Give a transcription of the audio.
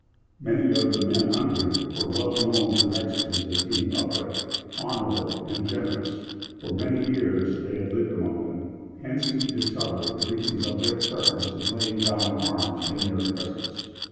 Many of the men under him were well known to the Mexicans as being upright, honorable and generous. For many years they had lived among them. Hence we discover the reason of their preference in laying down their arms in their presence.